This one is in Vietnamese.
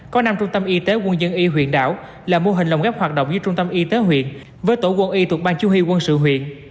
có năm trung tâm y tế quân dân y huyện đảo là mô hình lồng ghép hoạt động giữa trung tâm y tế huyện với tổ quân y thuộc bang chú huy quân sự huyện